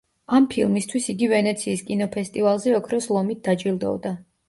ამ ფილმისთვის იგი ვენეციის კინოფესტივალზე ოქროს ლომით დაჯილდოვდა.